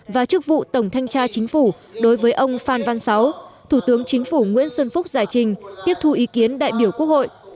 và chức vụ tổng thanh tra chính phủ đối với ông phan văn sáu thủ tướng chính phủ nguyễn xuân phúc giải trình tiếp thu ý kiến đại biểu quốc hội